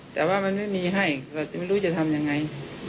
แต่ว่ามันไม่มีให้ก็จะไม่รู้จะทำยังไง